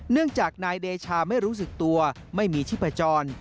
เนื่องจากนายเดชาไม่รู้สึกตัวไม่มีชีพจร